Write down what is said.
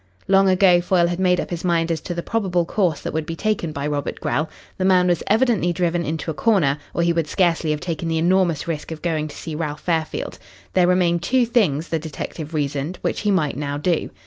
Long ago Foyle had made up his mind as to the probable course that would be taken by Robert Grell. The man was evidently driven into a corner, or he would scarcely have taken the enormous risk of going to see Ralph Fairfield. There remained two things, the detective reasoned, which he might now do.